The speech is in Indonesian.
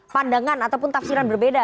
pandangan ataupun tafsiran berbeda